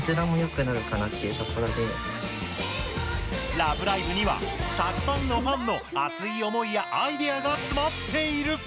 「ラブライブ！」にはたくさんのファンの熱い思いやアイデアが詰まっている！